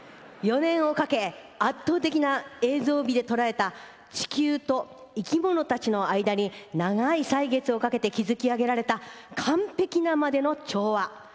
４年をかけ圧倒的な映像美で撮られた地球と生き物たちの間に長い歳月をかけて築き上げられた完璧なまでの調和。